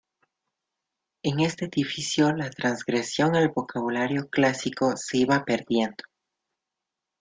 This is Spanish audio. En este edificio la transgresión al vocabulario clásico se iba perdiendo.